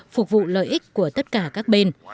phục vụ lợi ích của tất cả các bên